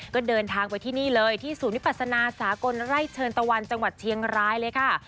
ก็เดินทางไปที่นี่เลยที่ศูนย์วิปัสนาสากลไร่เชิญตะวันจังหวัดเชียงรายเลยค่ะ